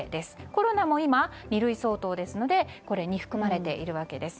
コロナも今、二類相当ですのでこれに含まれているわけです。